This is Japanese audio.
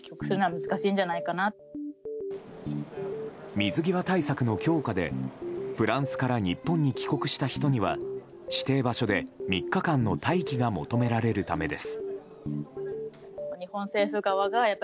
水際対策の強化でフランスから日本に帰国した人には指定場所で３日間の待機が求められるためです。